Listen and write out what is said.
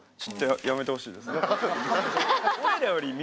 やめてほしいね。